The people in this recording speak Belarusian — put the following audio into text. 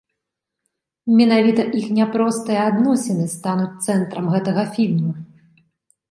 Менавіта іх няпростыя адносіны стануць цэнтрам гэтага фільму.